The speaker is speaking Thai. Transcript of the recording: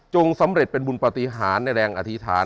สำเร็จเป็นบุญปฏิหารในแรงอธิษฐาน